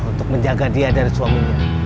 untuk menjaga dia dari suaminya